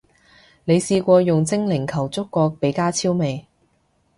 你試過用精靈球捉過比加超未？